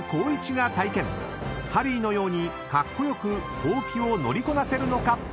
［ハリーのようにカッコ良く箒を乗りこなせるのか？］